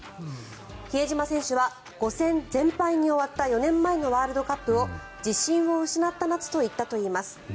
比江島選手は５戦全敗に終わった４年前のワールドカップを自信を失った夏と言ったといいます。